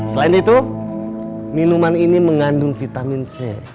selain itu minuman ini mengandung vitamin c